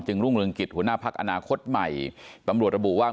จึงรุงเริงกิจหัวหน้าภักร์อันตรีอาณาคตใหม่